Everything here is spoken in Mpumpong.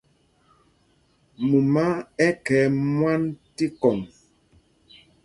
Mumá ɛ́ khɛɛ mwâ tí kɔŋ.